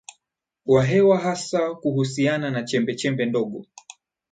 wa hewa hasa kuhusiana na chembechembe ndogo